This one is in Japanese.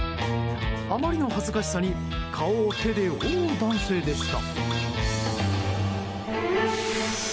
あまりの恥ずかしさに顔を手で覆う男性でした。